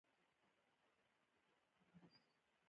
مريم وویل: زه باید یو ځل ستا د هېواد والاو پوښتنې ته ورشم.